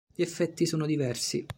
Gli effetti sono diversi.